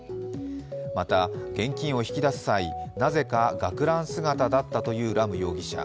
また現金を引き出す際、なぜか学ラン姿だったというラム容疑者。